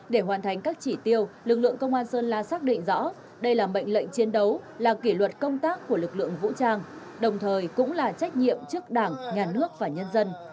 để hoàn thành các chỉ tiêu lực lượng công an sơn la xác định rõ đây là mệnh lệnh chiến đấu là kỷ luật công tác của lực lượng vũ trang đồng thời cũng là trách nhiệm trước đảng nhà nước và nhân dân